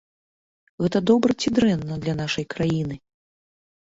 Гэта добра ці дрэнна для нашай краіны?